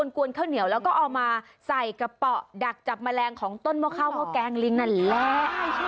กวนข้าวเหนียวแล้วก็เอามาใส่กระเป๋าดักจับแมลงของต้นหม้อข้าวหม้อแกงลิงนั่นแหละ